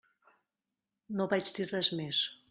No vaig dir res més.